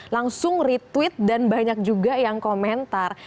langsung retweet dan banyak juga yang komentar